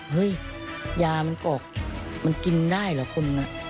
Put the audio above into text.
เฮ้ยยามันกรอกมันกินได้เหรอคน